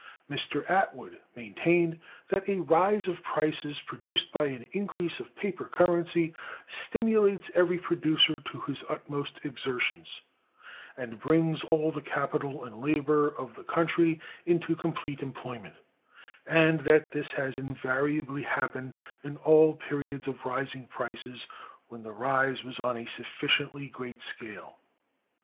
Mr. Attwood maintained that a rise of prices produced by an increase of paper currency stimulates every producer to his utmost exertions, and brings all the capital and labor of the country into complete employment; and that this has invariably happened in all periods of rising prices, when the rise was on a sufficiently great scale.